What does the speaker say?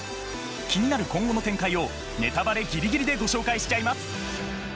気になる今後の展開をネタバレぎりぎりでご紹介しちゃいます。